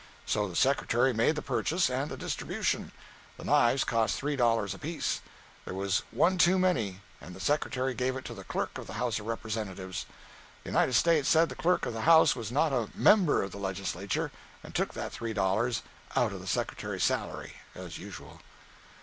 So the Secretary made the purchase and the distribution. The knives cost three dollars apiece. There was one too many, and the Secretary gave it to the Clerk of the House of Representatives. The United States said the Clerk of the House was not a "member" of the legislature, and took that three dollars out of the Secretary's salary, as usual.